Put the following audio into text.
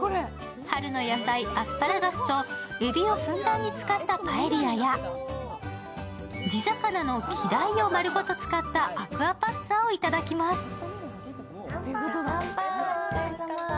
春の野菜アスパラガスとえびをふんだんに使ったパエリアや地魚のキダイをまるごと使ったアクアパッツァをいただきます。